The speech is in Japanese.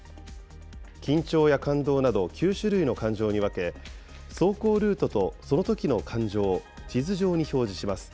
緊張や感動など９種類の感情に分け、走行ルートとそのときの感情、地図上に表示します。